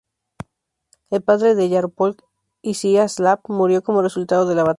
El padre de Yaropolk, Iziaslav, murió como resultado de la batalla.